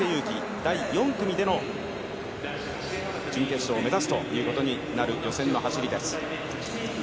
第４組での準決勝進出を目指すという予選の走りです。